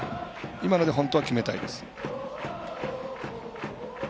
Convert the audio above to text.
今ので本当は決めたいです。